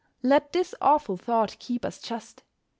Let this awful thought keep us just.